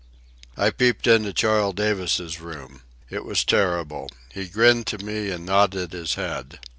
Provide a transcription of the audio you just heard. I peeped into Charles Davis's room. It was terrible. He grinned to me and nodded his head.